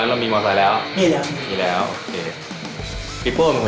สวัสดีครับสวัสดีครับ